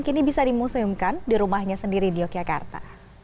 kini bisa dimuseumkan di rumahnya sendiri di yogyakarta